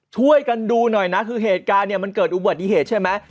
ช่วยกันดูหน่อยนะคือเหตุการณ์เนี่ยมันเกิดอุบัติเหตุใช่ไหม